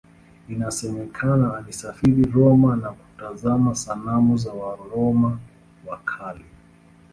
Inasemekana alisafiri Roma na kutazama sanamu za Waroma wa Kale.